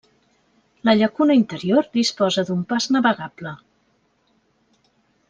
La llacuna interior disposa d'un pas navegable.